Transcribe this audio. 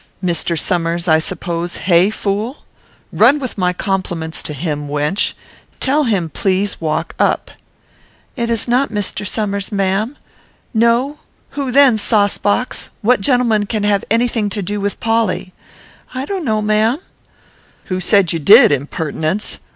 "Mr. Somers, I suppose; hey, fool? Run with my compliments to him, wench. Tell him, please walk up." "It is not Mr. Somers, ma'am." "No? Who then, saucebox? What gentleman can have any thing to do with Polly?" "I don't know, ma'am." "Who said you did, impertinence?